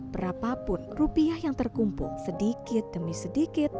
berapapun rupiah yang terkumpul sedikit demi sedikit